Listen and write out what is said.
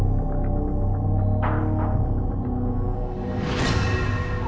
ไปไอ้มายอยู่ออกชีวิตให้ไว้